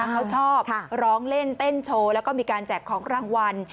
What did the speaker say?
เขาชอบร้องเล่นเต้นโชว์แล้วก็มีการแจกของรางวัล